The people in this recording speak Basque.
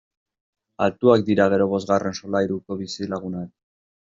Altuak dira gero bosgarren solairuko bizilagunak!